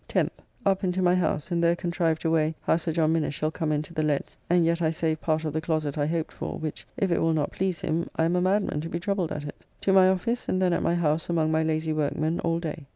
10th. Up and to my house, and there contrived a way how Sir John Minnes shall come into the leads, and yet I save part of the closet I hoped for, which, if it will not please him, I am a madman to be troubled at it. To my office, and then at my house among my lazy workmen all day.